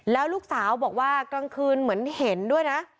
แล้วลูกสาวบอกว่ากลางคืนเหมือนเห็นด้วยนะ